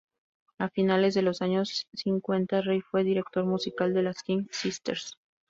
A finales de los años cincuenta Rey fue director musical de las King Sisters.